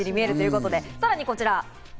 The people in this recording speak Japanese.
さらにこちら。